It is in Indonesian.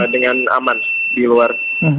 dengan aman di luar